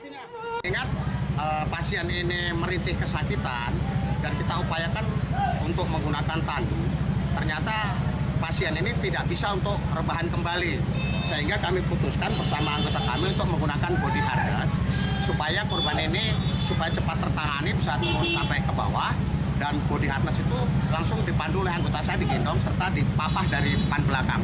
langsung dipandu oleh anggota saya digendong serta dipapah dari depan belakang